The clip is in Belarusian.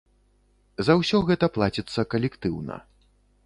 За ўсё гэта плаціцца калектыўна.